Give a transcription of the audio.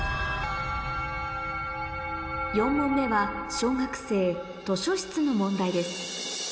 ４問目は小学生の問題です